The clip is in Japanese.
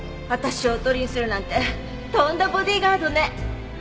私をおとりにするなんてとんだボディーガードね。